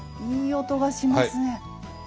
あいい音がしますね。